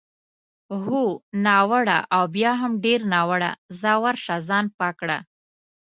هو، ناوړه او بیا هم ډېر ناوړه، ځه ورشه ځان پاک کړه.